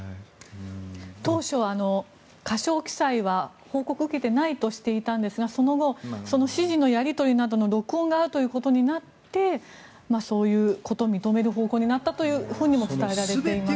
当初は過少記載は報告を受けていないとしていたんですがその後、指示のやり取りなどの録音があるということになってそういうことを認める方向になったとも伝えられています。